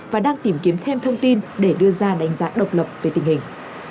và đang tìm kiếm thêm thông tin để đưa ra đánh giá độc lập về tình hình